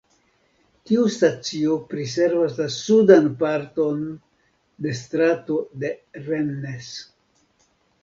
Tiu stacio priservas la sudan parton de Strato de Rennes.